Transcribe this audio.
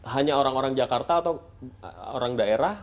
hanya orang orang jakarta atau orang daerah